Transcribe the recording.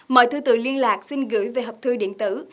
mọi thư tự liên lạc xin gửi về hộp thư điện tử